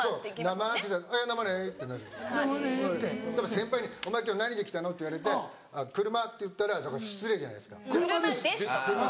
先輩に「お前今日何で来たの？」って言われて「車」って言ったら失礼じゃないですか「車です」って言わないと。